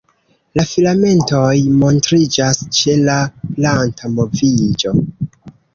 La filamentoj montriĝas ĉe la planta moviĝo.